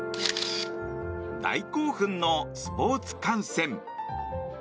大興奮のスポーツ観戦。